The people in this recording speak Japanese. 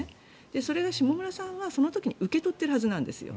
それが下村さんはその時に受け取っているはずなんです。